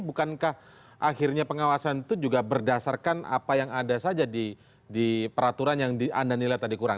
bukankah akhirnya pengawasan itu juga berdasarkan apa yang ada saja di peraturan yang anda nilai tadi kurang